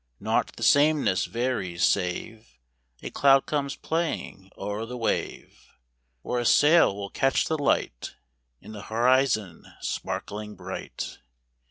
Nought the sameness varies, save A cloud comes playing o'er the wave; Or a sail will catch the light, In th' horizon, sparkling bright.